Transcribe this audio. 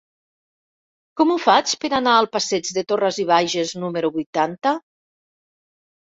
Com ho faig per anar al passeig de Torras i Bages número vuitanta?